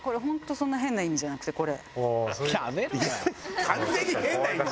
そんな変な意味じゃなくてこれ。